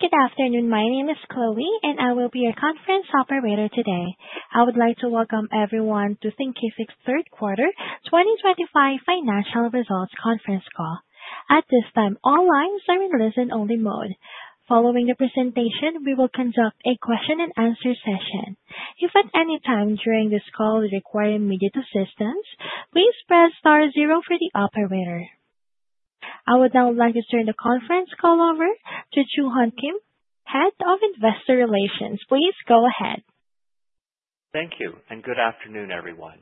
Good afternoon. My name is Chloe, and I will be your conference operator today. I would like to welcome everyone to Thinkific's Third Quarter 2025 Financial Results Conference Call. At this time, all lines are in listen-only mode. Following the presentation, we will conduct a question-and-answer session. If at any time during this call you require immediate assistance, please press star zero for the operator. I would now like to turn the conference call over to Joo-Hun Kim, Head of Investor Relations. Please go ahead. Thank you, and good afternoon, everyone.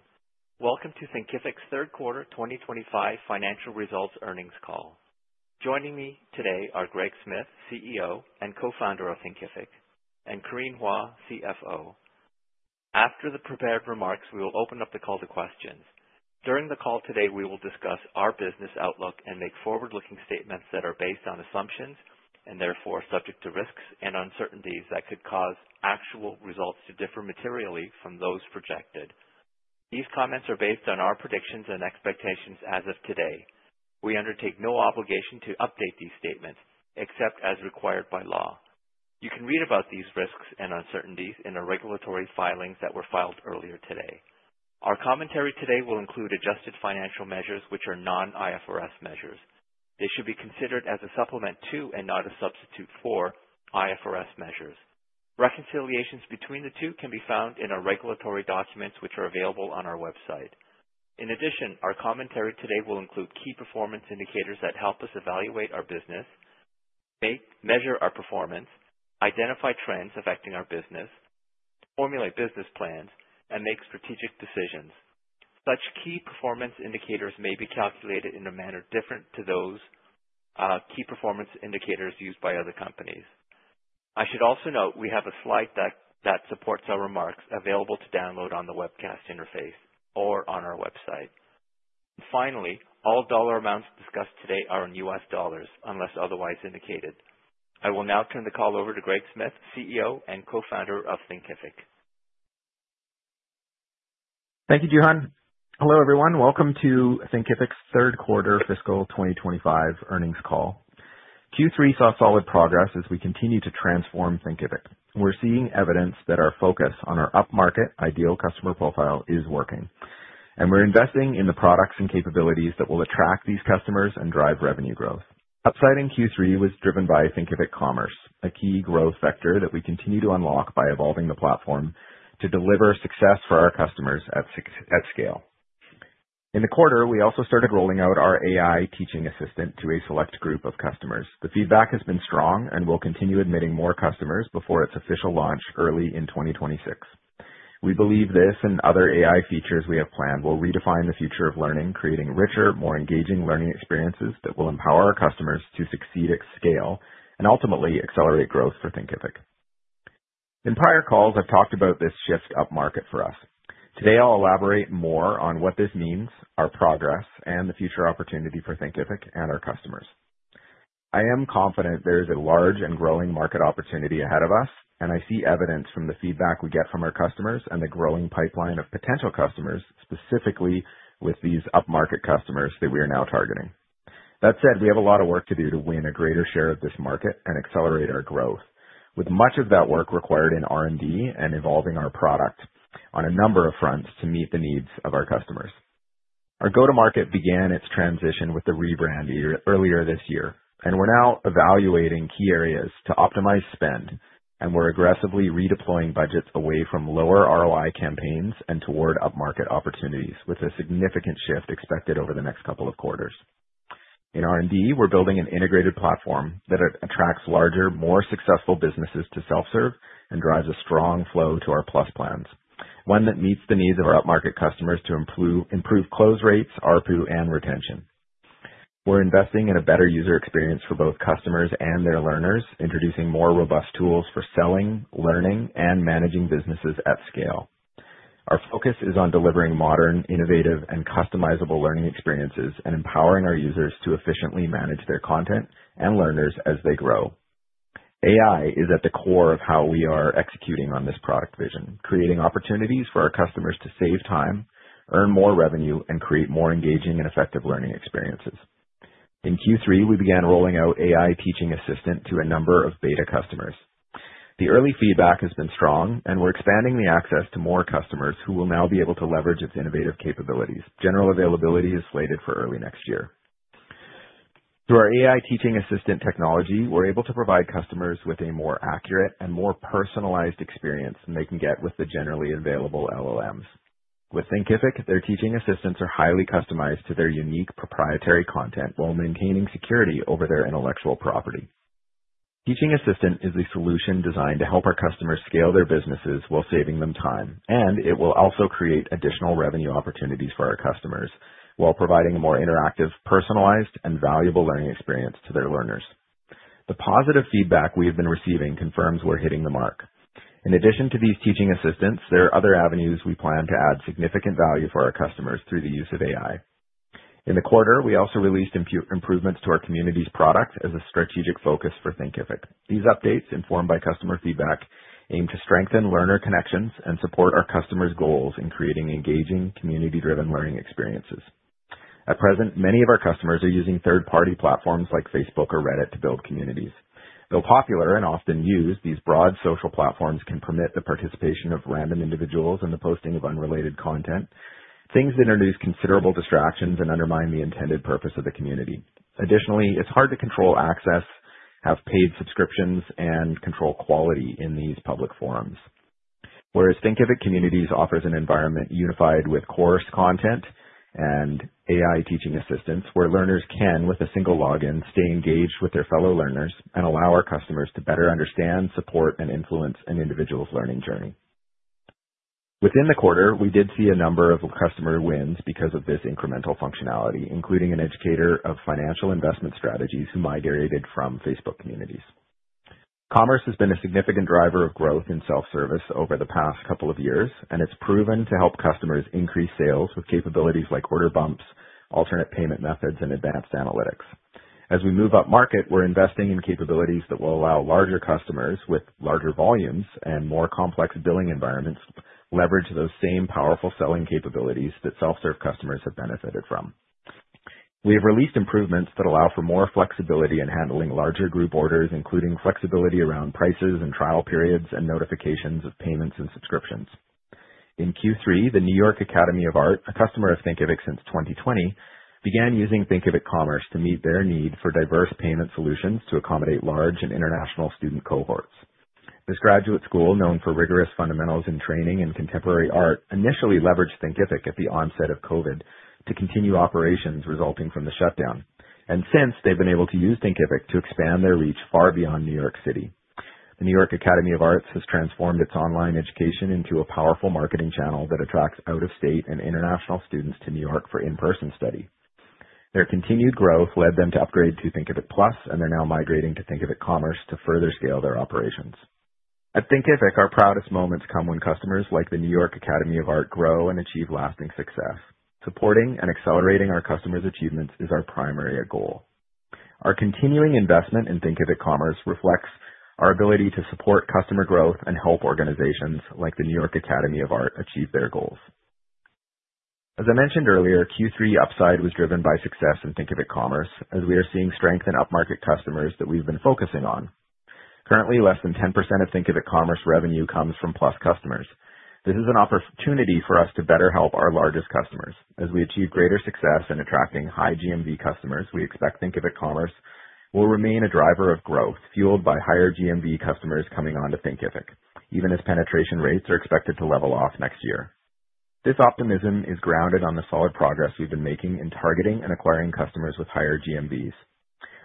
Welcome to Thinkific's Third Quarter 2025 Financial Results Earnings Call. Joining me today are Greg Smith, CEO and co-founder of Thinkific, and Corinne Hua, CFO. After the prepared remarks, we will open up the call to questions. During the call today, we will discuss our business outlook and make forward-looking statements that are based on assumptions and therefore subject to risks and uncertainties that could cause actual results to differ materially from those projected. These comments are based on our predictions and expectations as of today. We undertake no obligation to update these statements except as required by law. You can read about these risks and uncertainties in our regulatory filings that were filed earlier today. Our commentary today will include adjusted financial measures, which are non-IFRS measures. They should be considered as a supplement to and not a substitute for IFRS measures. Reconciliations between the two can be found in our regulatory documents, which are available on our website. In addition, our commentary today will include key performance indicators that help us evaluate our business, measure our performance, identify trends affecting our business, formulate business plans, and make strategic decisions. Such key performance indicators may be calculated in a manner different to those key performance indicators used by other companies. I should also note we have a slide deck that supports our remarks available to download on the webcast interface or on our website. Finally, all dollar amounts discussed today are in U.S. dollars unless otherwise indicated. I will now turn the call over to Greg Smith, CEO and co-founder of Thinkific. Thank you, Joo-Hun. Hello, everyone. Welcome to Thinkific's Third Quarter Fiscal 2025 Earnings Call. Q3 saw solid progress as we continue to transform Thinkific. We're seeing evidence that our focus on our up-market ideal customer profile is working, and we're investing in the products and capabilities that will attract these customers and drive revenue growth. The upside in Q3 was driven by Thinkific Commerce, a key growth vector that we continue to unlock by evolving the platform to deliver success for our customers at scale. In the quarter, we also started rolling out our AI Teaching Assistant to a select group of customers. The feedback has been strong, and we'll continue admitting more customers before its official launch early in 2026. We believe this and other AI features we have planned will redefine the future of learning creating richer, more engaging learning experiences that will empower our customers to succeed at scale and ultimately accelerate growth for Thinkific. In prior calls, I've talked about this shift up-market for us. Today, I'll elaborate more on what this means, our progress, and the future opportunity for Thinkific and our customers. I am confident there is a large and growing market opportunity ahead of us, and I see evidence from the feedback we get from our customers and the growing pipeline of potential customers, specifically with these up-market customers that we are now targeting. That said, we have a lot of work to do to win a greater share of this market and accelerate our growth, with much of that work required in R&D and evolving our product on a number of fronts to meet the needs of our customers. Our go-to-market began its transition with the rebrand earlier this year, and we're now evaluating key areas to optimize spend, and we're aggressively redeploying budgets away from lower ROI campaigns and toward up-market opportunities, with a significant shift expected over the next couple of quarters. In R&D, we're building an integrated platform that attracts larger, more successful businesses to Self-Serve and drives a strong flow to our Plus plans, one that meets the needs of our up-market customers to improve close rates, ARPU, and retention. We're investing in a better user experience for both customers and their learners, introducing more robust tools for selling, learning, and managing businesses at scale. Our focus is on delivering modern, innovative, and customizable learning experiences and empowering our users to efficiently manage their content and learners as they grow. AI is at the core of how we are executing on this product vision, creating opportunities for our customers to save time, earn more revenue, and create more engaging and effective learning experiences. In Q3, we began rolling out AI Teaching Assistant to a number of beta customers. The early feedback has been strong, and we're expanding the access to more customers who will now be able to leverage its innovative capabilities. General availability is slated for early next year. Through our AI Teaching Assistant technology, we're able to provide customers with a more accurate and more personalized experience than they can get with the generally available LLMs. With Thinkific, their Teaching Assistants are highly customized to their unique proprietary content while maintaining security over their intellectual property. Teaching Assistant is the solution designed to help our customers scale their businesses while saving them time, and it will also create additional revenue opportunities for our customers while providing a more interactive, personalized, and valuable learning experience to their learners. The positive feedback we have been receiving confirms we're hitting the mark. In addition to these Teaching Assistants, there are other avenues we plan to add significant value for our customers through the use of AI. In the quarter, we also released improvements to our Communities product as a strategic focus for Thinkific. These updates, informed by customer feedback, aim to strengthen learner connections and support our customers' goals in creating engaging, community-driven learning experiences. At present, many of our customers are using third-party platforms like Facebook or Reddit to build communities. Though popular and often used, these broad social platforms can permit the participation of random individuals in the posting of unrelated content, things that introduce considerable distractions and undermine the intended purpose of the community. Additionally, it's hard to control access, have paid subscriptions, and control quality in these public forums. Whereas Thinkific Communities offers an environment unified with course content and AI Teaching Assistants, where learners can, with a single login, stay engaged with their fellow learners and allow our customers to better understand, support, and influence an individual's learning journey. Within the quarter, we did see a number of customer wins because of this incremental functionality, including an educator of financial investment strategies who migrated from Facebook Communities. Commerce has been a significant driver of growth in self-service over the past couple of years, and it's proven to help customers increase sales with capabilities like order bumps, alternate payment methods, and advanced analytics. As we move up-market, we're investing in capabilities that will allow larger customers with larger volumes and more complex billing environments to leverage those same powerful selling capabilities that Self-Serve customers have benefited from. We have released improvements that allow for more flexibility in handling larger group orders, including flexibility around prices and trial periods and notifications of payments and subscriptions. In Q3, the New York Academy of Art, a customer of Thinkific since 2020, began using Thinkific Commerce to meet their need for diverse payment solutions to accommodate large and international student cohorts. This graduate school, known for rigorous fundamentals in training and contemporary art, initially leveraged Thinkific at the onset of COVID to continue operations resulting from the shutdown, and since they've been able to use Thinkific to expand their reach far beyond New York City. The New York Academy of Art has transformed its online education into a powerful marketing channel that attracts out-of-state and international students to New York for in-person study. Their continued growth led them to upgrade to Thinkific Plus, and they're now migrating to Thinkific Commerce to further scale their operations. At Thinkific, our proudest moments come when customers like the New York Academy of Art grow and achieve lasting success. Supporting and accelerating our customers' achievements is our primary goal. Our continuing investment in Thinkific Commerce reflects our ability to support customer growth and help organizations like the New York Academy of Art achieve their goals. As I mentioned earlier, Q3 upside was driven by success in Thinkific Commerce, as we are seeing strength in up-market customers that we've been focusing on. Currently, less than 10% of Thinkific Commerce revenue comes from Plus customers. This is an opportunity for us to better help our largest customers. As we achieve greater success in attracting high GMV customers, we expect Thinkific Commerce will remain a driver of growth fueled by higher GMV customers coming on to Thinkific, even as penetration rates are expected to level off next year. This optimism is grounded on the solid progress we've been making in targeting and acquiring customers with higher GMVs.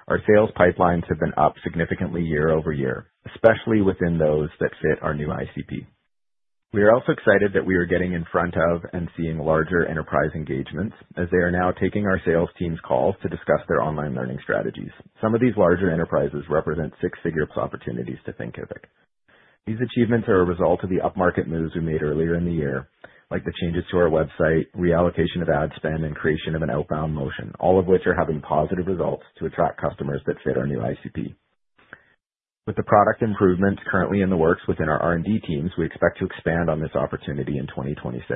Our sales pipelines have been up significantly year-over-year, especially within those that fit our new ICP. We are also excited that we are getting in front of and seeing larger enterprise engagements, as they are now taking our sales teams' calls to discuss their online learning strategies. Some of these larger enterprises represent six-figure opportunities to Thinkific. These achievements are a result of the up-market moves we made earlier in the year, like the changes to our website, reallocation of ad spend, and creation of an outbound motion, all of which are having positive results to attract customers that fit our new ICP. With the product improvements currently in the works within our R&D teams, we expect to expand on this opportunity in 2026.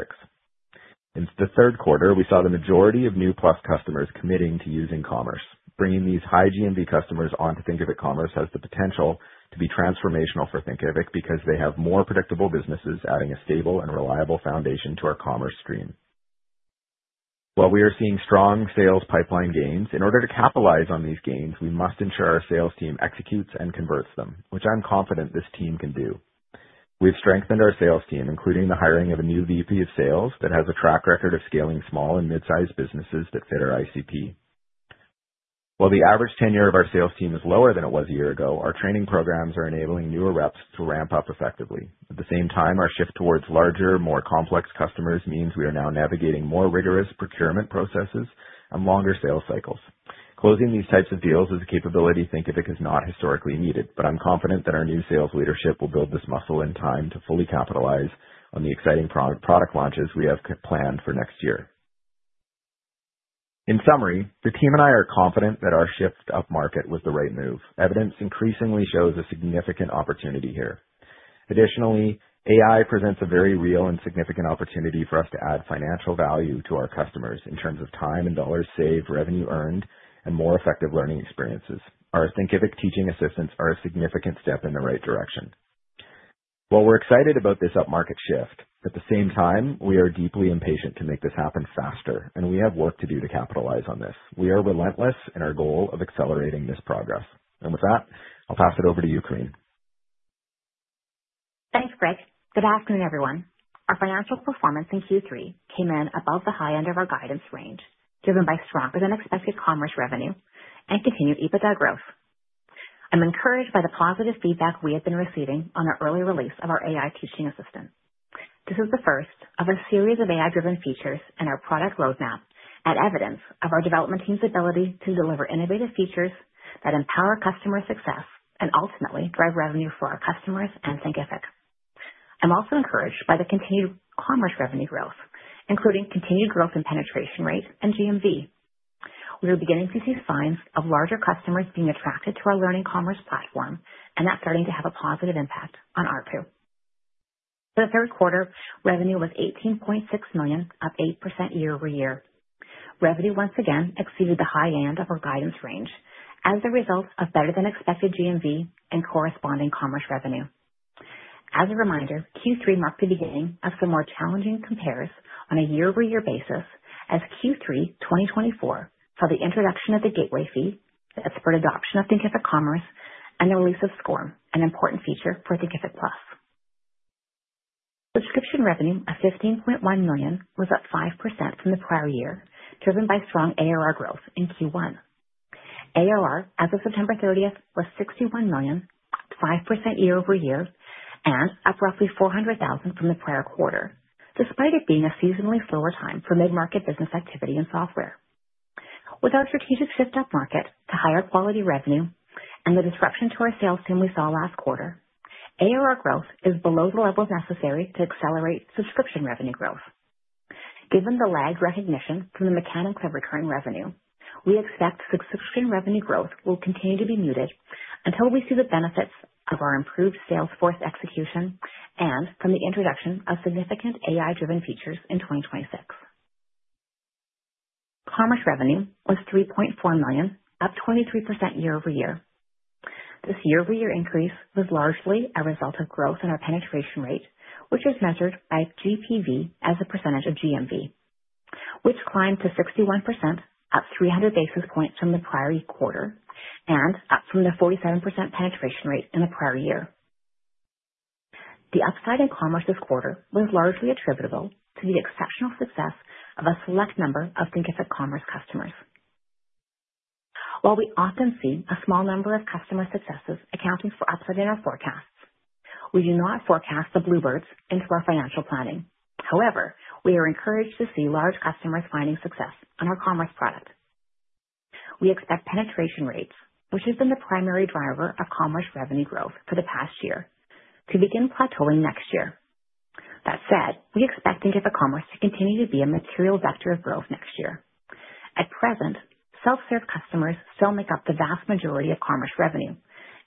In the third quarter, we saw the majority of new Plus customers committing to using Commerce, bringing these high GMV customers onto Thinkific Commerce, has the potential to be transformational for Thinkific because they have more predictable businesses adding a stable and reliable foundation to our Commerce stream. While we are seeing strong sales pipeline gains, in order to capitalize on these gains, we must ensure our sales team executes and converts them, which I'm confident this team can do. We've strengthened our sales team, including the hiring of a new VP of sales that has a track record of scaling small and mid-sized businesses that fit our ICP. While the average tenure of our sales team is lower than it was a year ago, our training programs are enabling newer reps to ramp up effectively. At the same time, our shift towards larger, more complex customers means we are now navigating more rigorous procurement processes and longer sales cycles. Closing these types of deals is a capability Thinkific has not historically needed, but I'm confident that our new sales leadership will build this muscle in time to fully capitalize on the exciting product launches we have planned for next year. In summary, the team and I are confident that our shift up-market was the right move. Evidence increasingly shows a significant opportunity here. Additionally, AI presents a very real and significant opportunity for us to add financial value to our customers in terms of time and dollars saved, revenue earned, and more effective learning experiences. Our Thinkific Teaching Assistants are a significant step in the right direction. While we're excited about this up-market shift, at the same time, we are deeply impatient to make this happen faster, and we have work to do to capitalize on this. We are relentless in our goal of accelerating this progress. And with that, I'll pass it over to you, Corinne. Thanks, Greg. Good afternoon, everyone. Our financial performance in Q3 came in above the high end of our guidance range, driven by stronger-than-expected Commerce revenue and continued EBITDA growth. I'm encouraged by the positive feedback we have been receiving on our early release of our AI Teaching Assistant. This is the first of a series of AI-driven features in our product roadmap and evidence of our development team's ability to deliver innovative features that empower customer success and ultimately drive revenue for our customers and Thinkific. I'm also encouraged by the continued Commerce revenue growth, including continued growth in penetration rate and GMV. We are beginning to see signs of larger customers being attracted to our learning Commerce platform and that's starting to have a positive impact on ARPU. For the third quarter, revenue was $18.6 million, up 8% year-over-year. Revenue once again exceeded the high end of our guidance range as a result of better-than-expected GMV and corresponding Commerce revenue. As a reminder, Q3 marked the beginning of some more challenging compares on a year-over-year basis as Q3 2024 saw the introduction of the gateway fee, the expert adoption of Thinkific Commerce, and the release of SCORM, an important feature for Thinkific Plus. Subscription revenue of $15.1 million was up 5% from the prior year, driven by strong ARR growth in Q1. ARR, as of September 30th, was $61 million, up 5% year-over-year, and up roughly $400,000 from the prior quarter, despite it being a seasonally slower time for mid-market business activity in software. With our strategic shift up-market to higher quality revenue and the disruption to our sales team we saw last quarter, ARR growth is below the level necessary to accelerate subscription revenue growth. Given the lagged recognition from the mechanics of recurring revenue, we expect subscription revenue growth will continue to be muted until we see the benefits of our improved sales force execution and from the introduction of significant AI-driven features in 2026. Commerce revenue was $3.4 million, up 23% year-over-year. This year-over-year increase was largely a result of growth in our penetration rate, which is measured by GPV as a percentage of GMV, which climbed to 61%, up 300 basis points from the prior quarter and up from the 47% penetration rate in the prior year. The upside in Commerce this quarter was largely attributable to the exceptional success of a select number of Thinkific Commerce customers. While we often see a small number of customer successes accounting for upside in our forecasts, we do not forecast the bluebirds into our financial planning. However, we are encouraged to see large customers finding success on our Commerce product. We expect penetration rates, which has been the primary driver of Commerce revenue growth for the past year, to begin plateauing next year. That said, we expect Thinkific Commerce to continue to be a material vector of growth next year. At present, Self-Serve customers still make up the vast majority of Commerce revenue,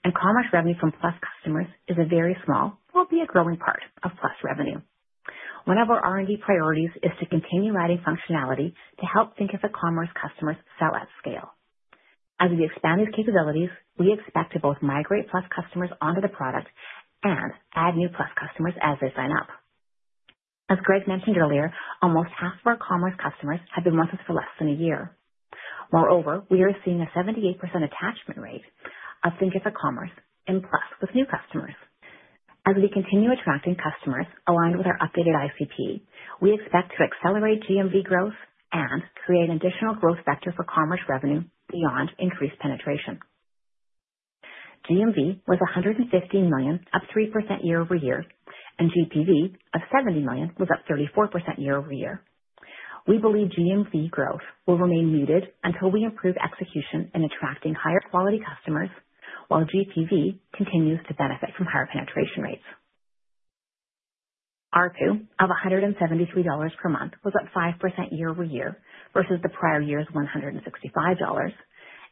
and Commerce revenue from Plus customers is a very small, albeit growing part of Plus revenue. One of our R&D priorities is to continue adding functionality to help Thinkific Commerce customers sell at scale. As we expand these capabilities, we expect to both migrate Plus customers onto the product and add new Plus customers as they sign up. As Greg mentioned earlier, almost half of our Commerce customers have been with us for less than a year. Moreover, we are seeing a 78% attachment rate of Thinkific Commerce in Plus with new customers. As we continue attracting customers aligned with our updated ICP, we expect to accelerate GMV growth and create an additional growth vector for Commerce revenue beyond increased penetration. GMV was $115 million, up 3% year-over-year, and GPV of $70 million was up 34% year-over-year. We believe GMV growth will remain muted until we improve execution in attracting higher quality customers while GPV continues to benefit from higher penetration rates. ARPU of $173 per month was up 5% year-over-year versus the prior year's $165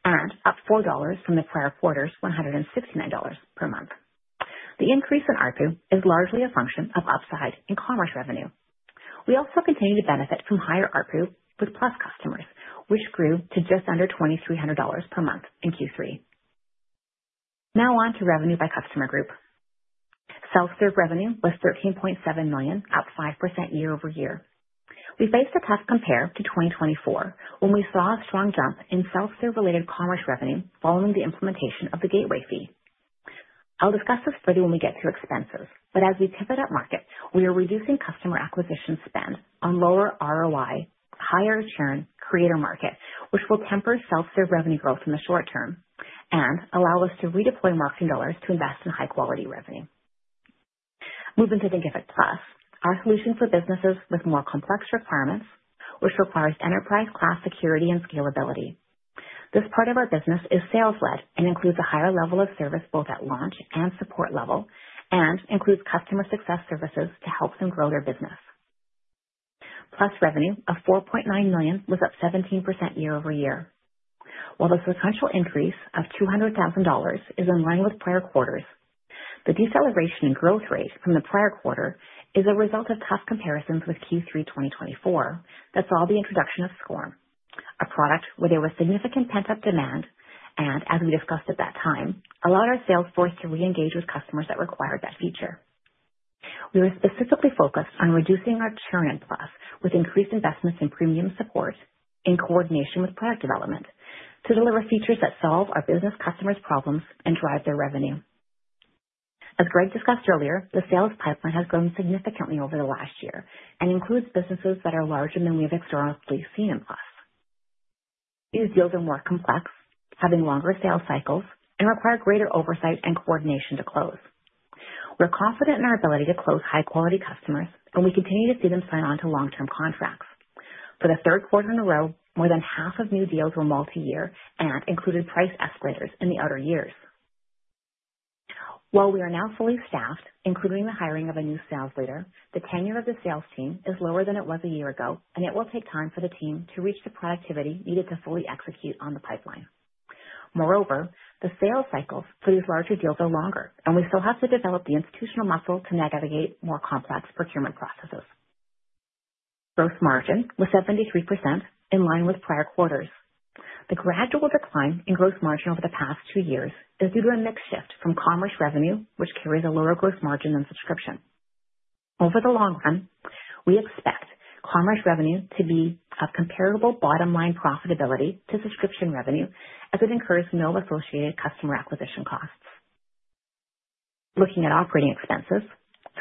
and up $4 from the prior quarter's $169 per month. The increase in ARPU is largely a function of upside in Commerce revenue. We also continue to benefit from higher ARPU with Plus customers, which grew to just under $2,300 per month in Q3. Now on to revenue by customer group. Self-Serve revenue was $13.7 million, up 5% year-over-year. We faced a tough compare to 2024 when we saw a strong jump in Self-Serve-related Commerce revenue following the implementation of the gateway fee. I'll discuss this further when we get to expenses, but as we pivot up-market, we are reducing customer acquisition spend on lower ROI, higher churn creator market, which will temper Self-Serve revenue growth in the short term and allow us to redeploy marketing dollars to invest in high-quality revenue. Moving to Thinkific Plus, our solution for businesses with more complex requirements, which requires enterprise-class security and scalability. This part of our business is sales-led and includes a higher level of service both at launch and support level and includes customer success services to help them grow their business. Plus revenue of $4.9 million was up 17% year-over-year. While the sequential increase of $200,000 is in line with prior quarters, the deceleration in growth rate from the prior quarter is a result of tough comparisons with Q3 2024 that saw the introduction of SCORM, a product where there was significant pent-up demand and, as we discussed at that time, allowed our sales force to reengage with customers that required that feature. We were specifically focused on reducing our churn in Plus with increased investments in premium support in coordination with product development to deliver features that solve our business customers' problems and drive their revenue. As Greg discussed earlier, the sales pipeline has grown significantly over the last year and includes businesses that are larger than we have historically seen in Plus. These deals are more complex, having longer sales cycles, and require greater oversight and coordination to close. We're confident in our ability to close high-quality customers, and we continue to see them sign on to long-term contracts. For the third quarter in a row, more than half of new deals were multi-year and included price escalators in the outer years. While we are now fully staffed, including the hiring of a new sales leader, the tenure of the sales team is lower than it was a year ago, and it will take time for the team to reach the productivity needed to fully execute on the pipeline. Moreover, the sales cycles for these larger deals are longer, and we still have to develop the institutional muscle to navigate more complex procurement processes. Gross margin was 73% in line with prior quarters. The gradual decline in gross margin over the past two years is due to a mixed shift from Commerce revenue, which carries a lower gross margin than subscription. Over the long run, we expect Commerce revenue to be of comparable bottom-line profitability to subscription revenue as it incurs no associated customer acquisition costs. Looking at operating expenses,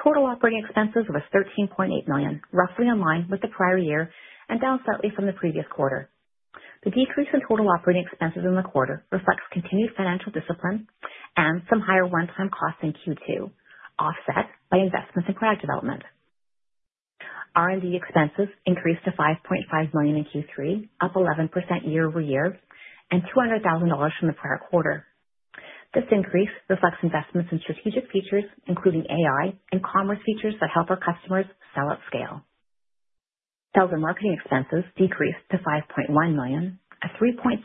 total operating expenses was $13.8 million, roughly in line with the prior year and down slightly from the previous quarter. The decrease in total operating expenses in the quarter reflects continued financial discipline and some higher one-time costs in Q2, offset by investments in product development. R&D expenses increased to $5.5 million in Q3, up 11% year-over-year, and $200,000 from the prior quarter. This increase reflects investments in strategic features, including AI and Commerce features that help our customers sell at scale. Sales and marketing expenses decreased to $5.1 million, a 3.7%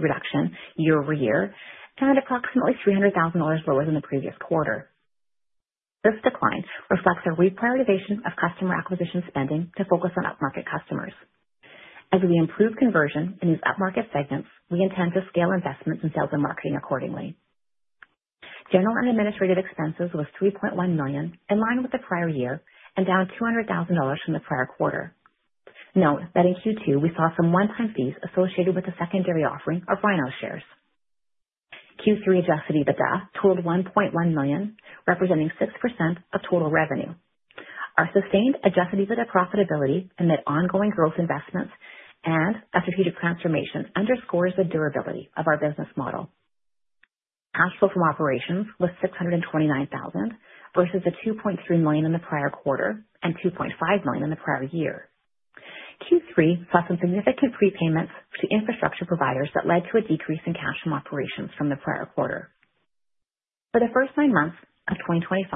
reduction year-over-year, and approximately $300,000 lower than the previous quarter. This decline reflects a reprioritization of customer acquisition spending to focus on up-market customers. As we improve conversion in these up-market segments, we intend to scale investments in sales and marketing accordingly. General and administrative expenses were $3.1 million, in line with the prior year, and down $200,000 from the prior quarter. Note that in Q2, we saw some one-time fees associated with the secondary offering of Rhino shares. Q3 adjusted EBITDA totaled $1.1 million, representing 6% of total revenue. Our sustained adjusted EBITDA profitability amid ongoing growth investments and a strategic transformation underscores the durability of our business model. Cash flow from operations was $629,000 versus the $2.3 million in the prior quarter and $2.5 million in the prior year. Q3 saw some significant prepayments to infrastructure providers that led to a decrease in cash from operations from the prior quarter. For the first nine months of 2025,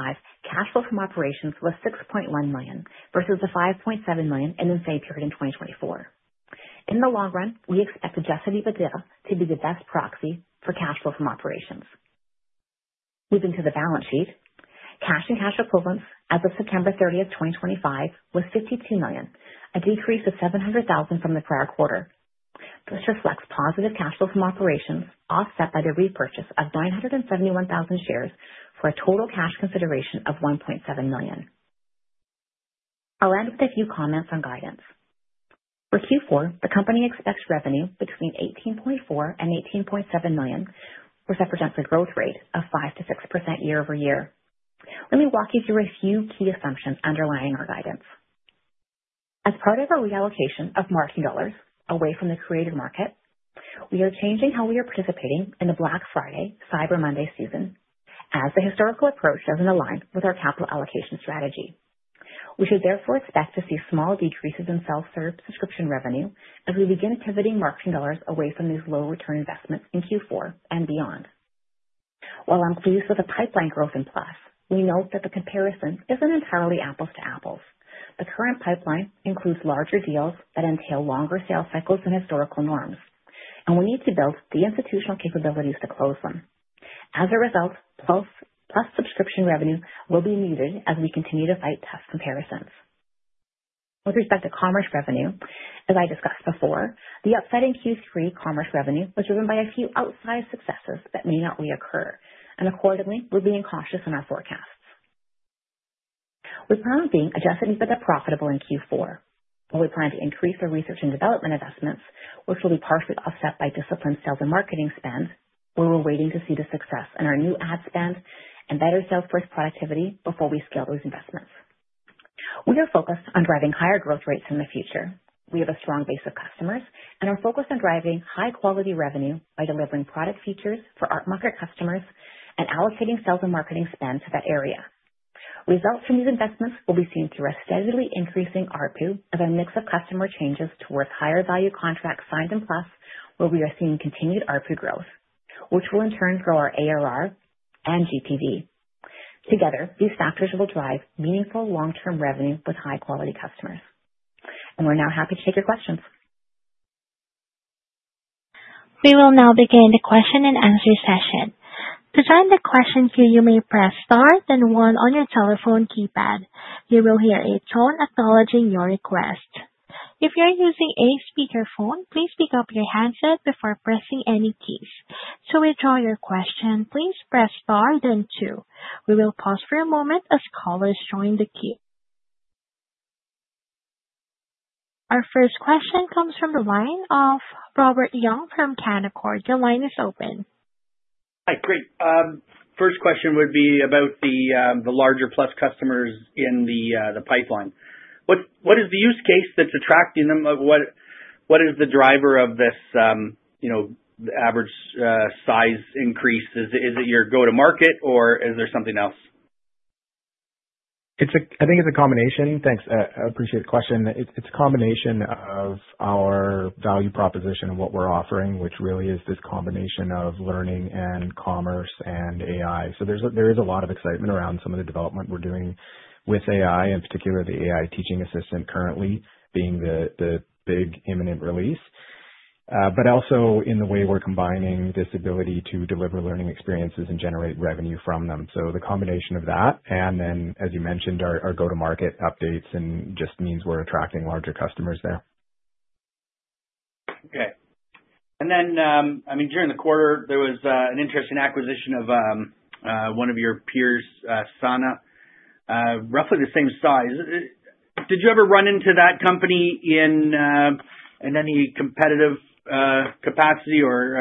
cash flow from operations was $6.1 million versus $5.7 million in the same period in 2024. In the long run, we expect adjusted EBITDA to be the best proxy for cash flow from operations. Moving to the balance sheet, cash and cash equivalents as of September 30th, 2025, was $52 million, a decrease of $700,000 from the prior quarter. This reflects positive cash flow from operations, offset by the repurchase of 971,000 shares for a total cash consideration of $1.7 million. I'll end with a few comments on guidance. For Q4, the company expects revenue between $18.4 million and $18.7 million, which represents a growth rate of 5% to 6% year-over-year. Let me walk you through a few key assumptions underlying our guidance. As part of our reallocation of marketing dollars away from the creator market, we are changing how we are participating in the Black Friday, Cyber Monday season as the historical approach doesn't align with our capital allocation strategy. We should therefore expect to see small decreases in Self-Serve subscription revenue as we begin pivoting marketing dollars away from these low-return investments in Q4 and beyond. While I'm pleased with the pipeline growth in Plus, we note that the comparison isn't entirely apples to apples. The current pipeline includes larger deals that entail longer sales cycles than historical norms, and we need to build the institutional capabilities to close them. As a result, Plus subscription revenue will be muted as we continue to fight tough comparisons. With respect to Commerce revenue, as I discussed before, the upside in Q3 Commerce revenue was driven by a few outsized successes that may not reoccur, and accordingly, we're being cautious in our forecasts. We plan on being adjusted EBITDA profitable in Q4 while we're trying to increase our research and development investments, which will be partially offset by disciplined sales and marketing spend while we're waiting to see the success in our new ad spend and better sales force productivity before we scale those investments. We are focused on driving higher growth rates in the future. We have a strong base of customers and are focused on driving high-quality revenue by delivering product features for up-market customers and allocating sales and marketing spend to that area. Results from these investments will be seen through a steadily increasing ARPU of a mix of customer changes towards higher value contracts signed in Plus, where we are seeing continued ARPU growth, which will in turn grow our ARR and GPV. Together, these factors will drive meaningful long-term revenue with high-quality customers. And we're now happy to take your questions. We will now begin the question and answer session. To join the question queue, you may press star then one on your telephone keypad. You will hear a tone acknowledging your request. If you're using a speakerphone, please pick up your handset before pressing any keys. To withdraw your question, please press star, then two. We will pause for a moment as callers join the queue. Our first question comes from the line of Robert Young from Canaccord. Your line is open. Hi, great. First question would be about the larger Plus customers in the pipeline. What is the use case that's attracting them? What is the driver of this average size increase? Is it your go-to-market, or is there something else? I think it's a combination. Thanks. I appreciate the question. It's a combination of our value proposition and what we're offering, which really is this combination of learning and commerce and AI. So there is a lot of excitement around some of the development we're doing with AI, in particular the AI Teaching Assistant currently being the big imminent release, but also in the way we're combining this ability to deliver learning experiences and generate revenue from them. So the combination of that, and then, as you mentioned, our go-to-market updates just means we're attracting larger customers there. Okay. Then, I mean, during the quarter, there was an interesting acquisition of one of your peers, Sana, roughly the same size. Did you ever run into that company in any competitive capacity, or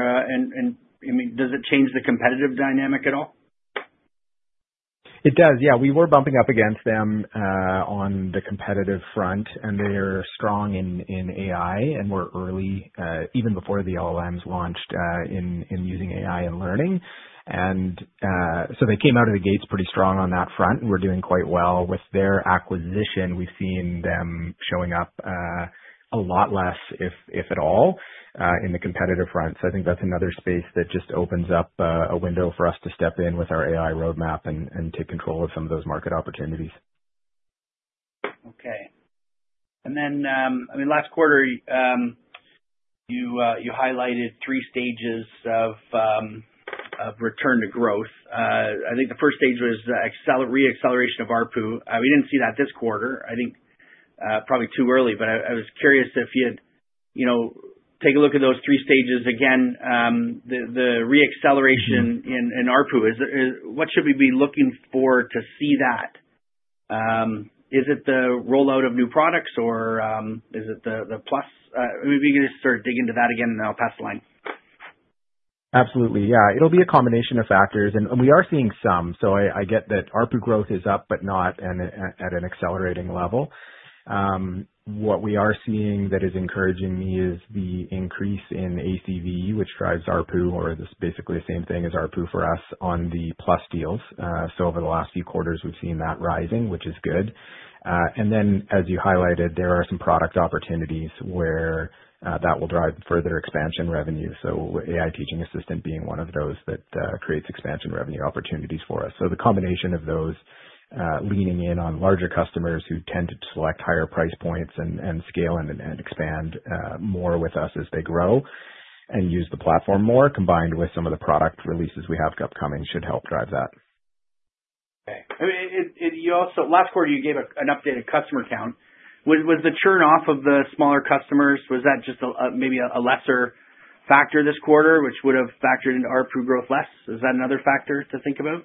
does it change the competitive dynamic at all? It does. Yeah. We were bumping up against them on the competitive front, and they are strong in AI and were early, even before the LLMs launched, in using AI in learning. And so they came out of the gates pretty strong on that front, and we're doing quite well with their acquisition. We've seen them showing up a lot less, if at all, in the competitive front. So I think that's another space that just opens up a window for us to step in with our AI roadmap and take control of some of those market opportunities. Okay. Then, I mean, last quarter, you highlighted three stages of return to growth. I think the first stage was re-acceleration of ARPU. We didn't see that this quarter. I think probably too early, but I was curious if you'd take a look at those three stages again, the re-acceleration in ARPU. What should we be looking for to see that? Is it the rollout of new products, or is it the Plus? Maybe you can just start digging into that again, and then I'll pass the line. Absolutely. Yeah. It'll be a combination of factors, and we are seeing some. So I get that ARPU growth is up but not at an accelerating level. What we are seeing that is encouraging me is the increase in ACV, which drives ARPU, or this is basically the same thing as ARPU for us on the Plus deals. So over the last few quarters, we've seen that rising, which is good. And then, as you highlighted, there are some product opportunities where that will drive further expansion revenue. So AI Teaching Assistant being one of those that creates expansion revenue opportunities for us. So the combination of those leaning in on larger customers who tend to select higher price points and scale and expand more with us as they grow and use the platform more, combined with some of the product releases we have upcoming, should help drive that. Okay. I mean, last quarter, you gave an updated customer count. Was the churn off of the smaller customers, was that just maybe a lesser factor this quarter, which would have factored in ARPU growth less? Is that another factor to think about?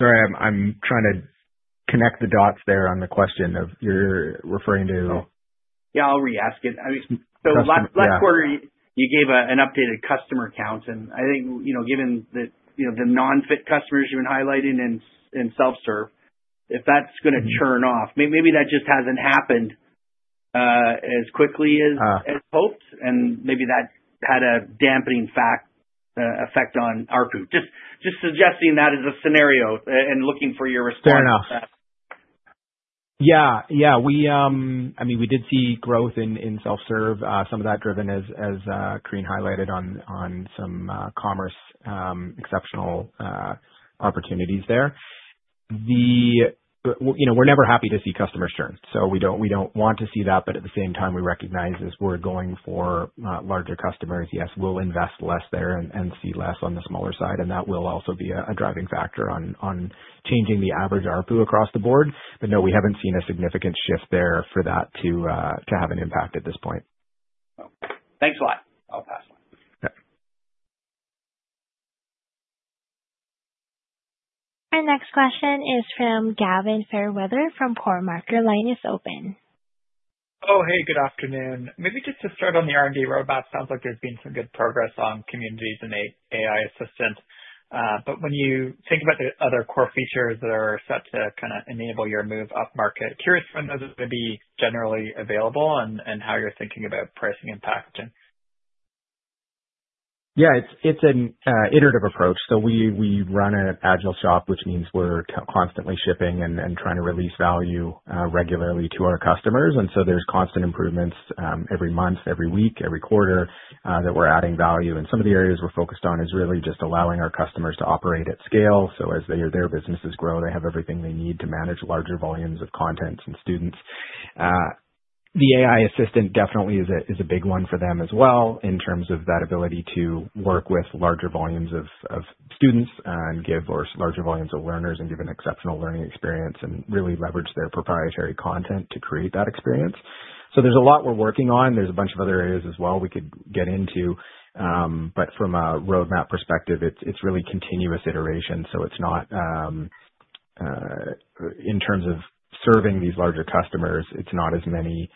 Sorry. I'm trying to connect the dots there on the question you're referring to. Yeah. I'll re-ask it. I mean, so last quarter, you gave an updated customer count, and I think given the non-fit customers you've been highlighting and Self-Serve, if that's going to churn off, maybe that just hasn't happened as quickly as hoped, and maybe that had a dampening effect on ARPU. Just suggesting that as a scenario and looking for your response to that. Fair enough. Yeah. Yeah. I mean, we did see growth in Self-Serve, some of that driven as Corinne highlighted on some Commerce exceptional opportunities there. We're never happy to see customer churn, so we don't want to see that. But at the same time, we recognize if we're going for larger customers, yes, we'll invest less there and see less on the smaller side, and that will also be a driving factor on changing the average ARPU across the board. But no, we haven't seen a significant shift there for that to have an impact at this point. Okay. Thanks a lot. I'll pass the line. Okay. Our next question is from Gavin Fairweather from Cormark. Line is open. Oh, hey. Good afternoon. Maybe just to start on the R&D roadmap, it sounds like there's been some good progress on communities and AI assistant. But when you think about the other core features that are set to kind of enable your move up market, curious when those are going to be generally available and how you're thinking about pricing and packaging. Yeah. It's an iterative approach. So we run an agile shop, which means we're constantly shipping and trying to release value regularly to our customers. And so there's constant improvements every month, every week, every quarter that we're adding value. Some of the areas we're focused on is really just allowing our customers to operate at scale. As their businesses grow, they have everything they need to manage larger volumes of content and students. The AI assistant definitely is a big one for them as well in terms of that ability to work with larger volumes of students and give larger volumes of learners and give an exceptional learning experience and really leverage their proprietary content to create that experience. There's a lot we're working on. There's a bunch of other areas as well we could get into. From a roadmap perspective, it's really continuous iteration. In terms of serving these larger customers, it's not as many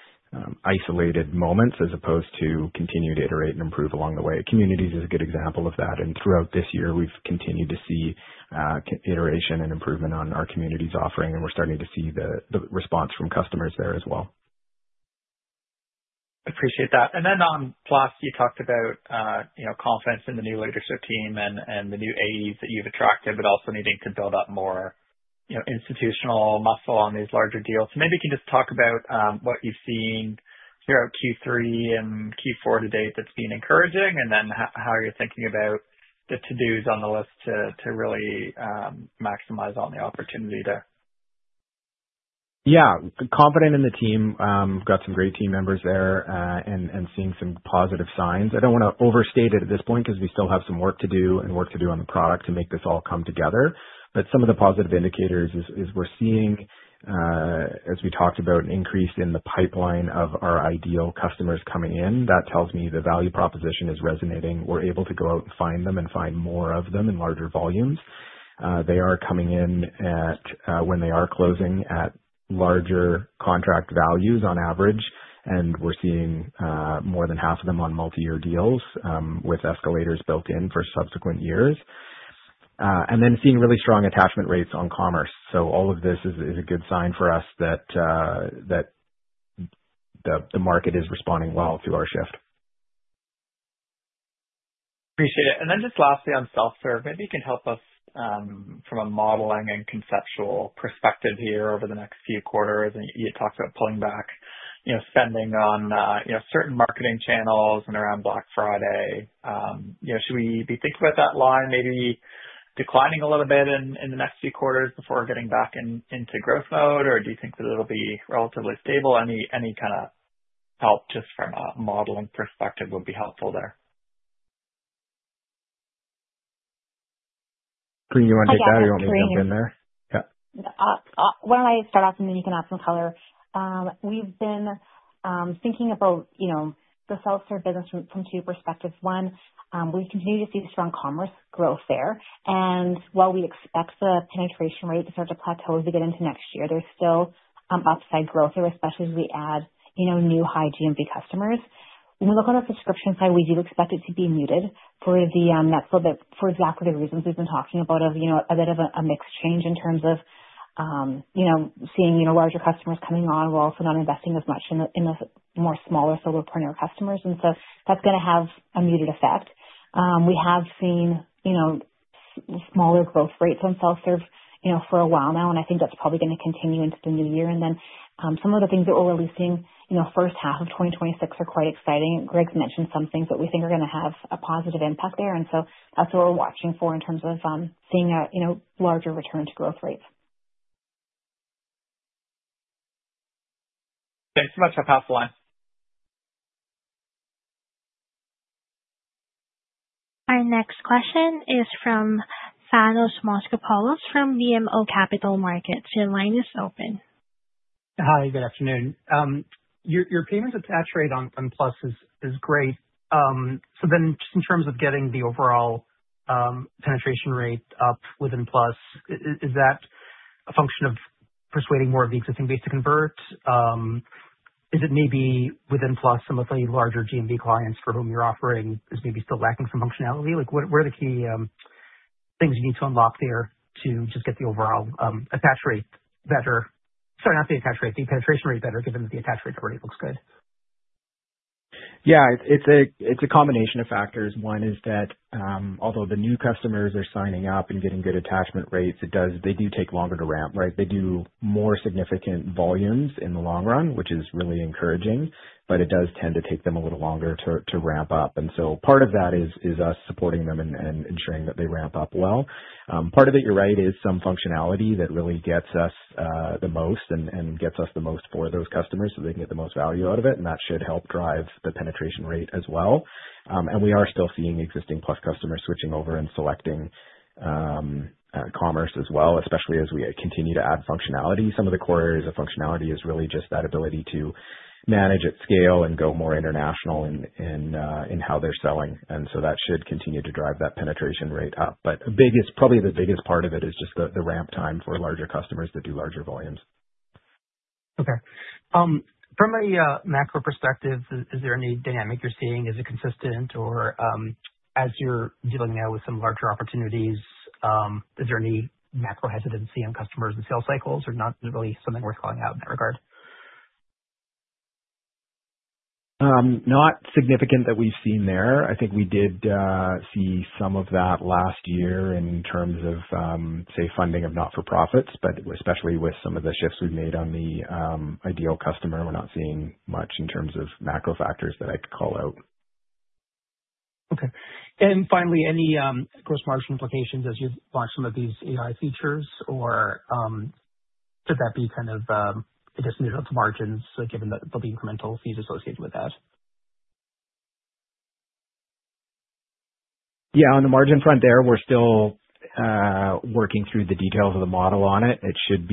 isolated moments as opposed to continuing to iterate and improve along the way. Communities is a good example of that. And throughout this year, we've continued to see iteration and improvement on our Communities' offering, and we're starting to see the response from customers there as well. Appreciate that. And then on Plus, you talked about confidence in the new leadership team and the new adds that you've attracted, but also needing to build up more institutional muscle on these larger deals. So maybe you can just talk about what you've seen throughout Q3 and Q4 to date that's been encouraging, and then how you're thinking about the to-dos on the list to really maximize on the opportunity there. Yeah. Confident in the team. We've got some great team members there and seeing some positive signs. I don't want to overstate it at this point because we still have some work to do and work to do on the product to make this all come together. But some of the positive indicators is we're seeing, as we talked about, an increase in the pipeline of our ideal customers coming in. That tells me the value proposition is resonating. We're able to go out and find them and find more of them in larger volumes. They are coming in when they are closing at larger contract values on average, and we're seeing more than half of them on multi-year deals with escalators built in for subsequent years. And then seeing really strong attachment rates on Commerce. So all of this is a good sign for us that the market is responding well to our shift. Appreciate it. And then just lastly on Self-Serve, maybe you can help us from a modeling and conceptual perspective here over the next few quarters. And you talked about pulling back spending on certain marketing channels and around Black Friday. Should we be thinking about that line maybe declining a little bit in the next few quarters before getting back into growth mode, or do you think that it'll be relatively stable? Any kind of help just from a modeling perspective would be helpful there. Corinne, you want to take that or do you want me to jump in there? Yeah. Why don't I start off, and then you can add some color? We've been thinking about the Self-Serve business from two perspectives. One, we continue to see strong Commerce growth there. And while we expect the penetration rate to start to plateau as we get into next year, there's still upside growth here, especially as we add new high-GMV customers. When we look on the subscription side, we do expect it to be muted for exactly the reasons we've been talking about of a bit of a mixed change in terms of seeing larger customers coming on. We're also not investing as much in the more smaller solopreneur customers. And so that's going to have a muted effect. We have seen smaller growth rates on self-serve for a while now, and I think that's probably going to continue into the new year. And then some of the things that we're releasing first half of 2026 are quite exciting. Greg's mentioned some things that we think are going to have a positive impact there. And so that's what we're watching for in terms of seeing a larger return to growth rates. Thanks so much. I'll pass the line. Our next question is from Thanos Moschopoulos from BMO Capital Markets. Your line is open. Hi. Good afternoon. Your payments attach rate on Plus is great. So then just in terms of getting the overall penetration rate up within Plus, is that a function of persuading more of the existing base to convert? Is it maybe within Plus some of the larger GMV clients for whom you're offering is maybe still lacking some functionality? What are the key things you need to unlock there to just get the overall attach rate better? Sorry, not the attach rate, the penetration rate better, given that the attach rate already looks good. Yeah. It's a combination of factors. One is that although the new customers are signing up and getting good attachment rates, they do take longer to ramp, right? They do more significant volumes in the long run, which is really encouraging, but it does tend to take them a little longer to ramp up. And so part of that is us supporting them and ensuring that they ramp up well. Part of it, you're right, is some functionality that really gets us the most and gets us the most for those customers so they can get the most value out of it. And that should help drive the penetration rate as well. And we are still seeing existing Plus customers switching over and selecting Commerce as well, especially as we continue to add functionality. Some of the core areas of functionality is really just that ability to manage at scale and go more international in how they're selling. And so that should continue to drive that penetration rate up. But probably the biggest part of it is just the ramp time for larger customers that do larger volumes. Okay. From a macro perspective, is there any dynamic you're seeing? Is it consistent? Or as you're dealing now with some larger opportunities, is there any macro hesitancy on customers and sales cycles or not really something worth calling out in that regard? Not significant that we've seen there. I think we did see some of that last year in terms of, say, funding of not-for-profits, but especially with some of the shifts we've made on the ideal customer. We're not seeing much in terms of macro factors that I could call out. Okay. And finally, any gross margin implications as you launch some of these AI features, or should that be kind of neutral to margins given the incremental fees associated with that? Yeah. On the margin front there, we're still working through the details of the model on it. It should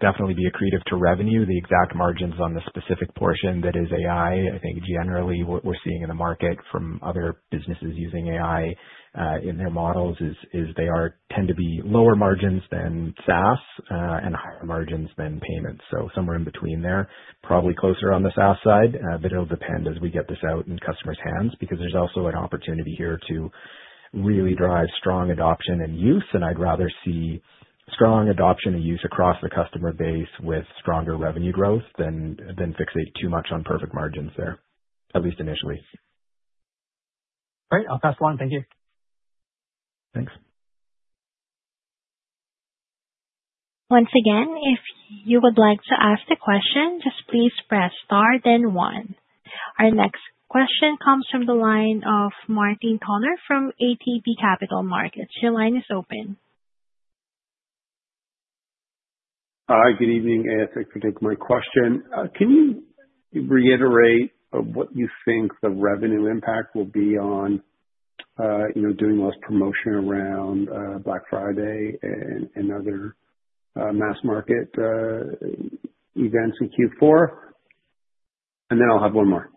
definitely be accretive to revenue. The exact margins on the specific portion that is AI, I think generally what we're seeing in the market from other businesses using AI in their models is they tend to be lower margins than SaaS and higher margins than payments. So somewhere in between there, probably closer on the SaaS side, but it'll depend as we get this out in customers' hands because there's also an opportunity here to really drive strong adoption and use. And I'd rather see strong adoption and use across the customer base with stronger revenue growth than fixate too much on perfect margins there, at least initially. All right. I'll pass the line. Thank you. Thanks. Once again, if you would like to ask a question, just please press star, then one. Our next question comes from the line of Martin Toner from ATB Capital Markets. Your line is open. Hi. Good evening. I'd like to get to my question. Can you reiterate what you think the revenue impact will be on doing less promotion around Black Friday and other mass market events in Q4? And then I'll have one more.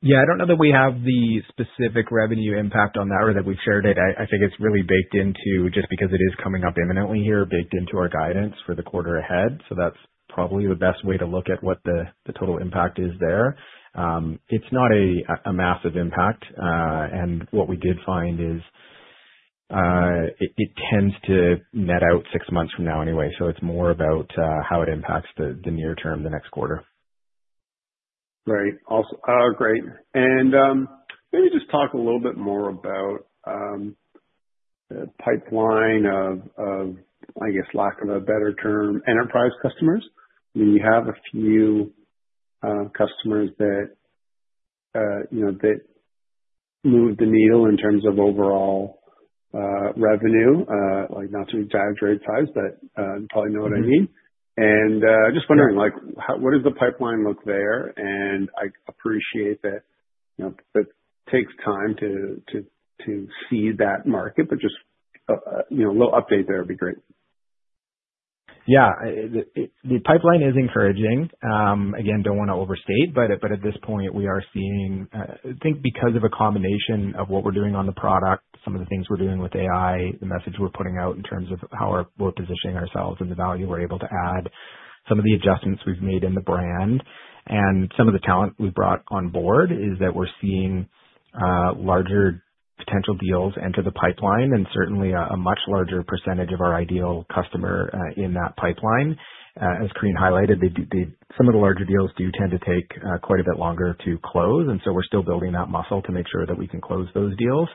Yeah. I don't know that we have the specific revenue impact on that or that we've shared it. I think it's really baked into just because it is coming up imminently here, baked into our guidance for the quarter ahead. So that's probably the best way to look at what the total impact is there. It's not a massive impact. And what we did find is it tends to net out six months from now anyway. So it's more about how it impacts the near term, the next quarter. Right. Great. And maybe just talk a little bit more about the pipeline of, lack of a better term, enterprise customers. We have a few customers that move the needle in terms of overall revenue, not to exaggerate size, but you probably know what I mean. And just wondering, what does the pipeline look like there? And I appreciate that it takes time to see that market, but just a little update there would be great. Yeah. The pipeline is encouraging. Again, don't want to overstate, but at this point, we are seeing, I think because of a combination of what we're doing on the product, some of the things we're doing with AI, the message we're putting out in terms of how we're positioning ourselves and the value we're able to add, some of the adjustments we've made in the brand, and some of the talent we've brought on board is that we're seeing larger potential deals enter the pipeline and certainly a much larger percentage of our ideal customer in that pipeline. As Corinne highlighted, some of the larger deals do tend to take quite a bit longer to close. And so we're still building that muscle to make sure that we can close those deals.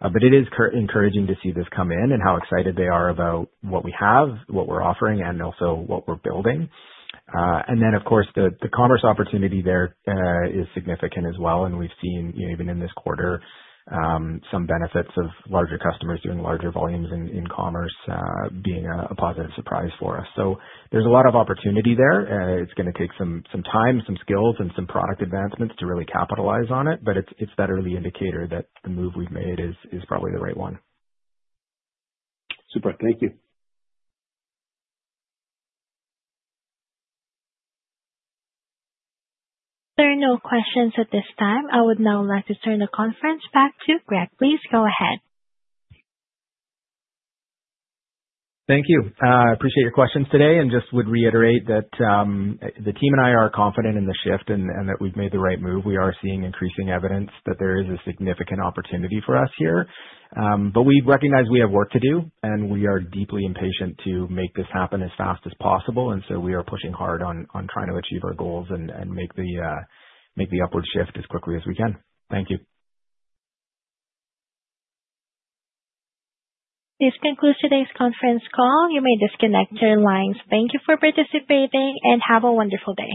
But it is encouraging to see this come in and how excited they are about what we have, what we're offering, and also what we're building. And then, of course, the Commerce opportunity there is significant as well. And we've seen even in this quarter some benefits of larger customers doing larger volumes in Commerce being a positive surprise for us. So there's a lot of opportunity there. It's going to take some time, some skills, and some product advancements to really capitalize on it. But it's that early indicator that the move we've made is probably the right one. Super. Thank you. There are no questions at this time. I would now like to turn the conference back to Greg. Please go ahead. Thank you. I appreciate your questions today and just would reiterate that the team and I are confident in the shift and that we've made the right move. We are seeing increasing evidence that there is a significant opportunity for us here. But we recognize we have work to do, and we are deeply impatient to make this happen as fast as possible, and so we are pushing hard on trying to achieve our goals and make the upward shift as quickly as we can. Thank you. This concludes today's conference call. You may disconnect your lines. Thank you for participating and have a wonderful day.